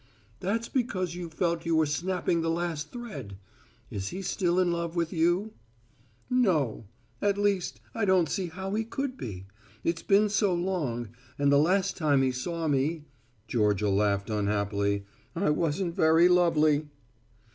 "That's because you felt you were snapping the last thread. Is he still in love with you?" "No. At least I don't see how he could be. It's been so long, and the last time he saw me," Georgia laughed unhappily, "I wasn't very lovely."